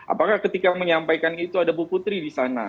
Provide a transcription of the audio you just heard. apakah ketika menyampaikan itu ada bu putri di sana